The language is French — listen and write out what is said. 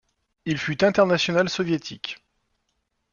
Il fut international soviétique.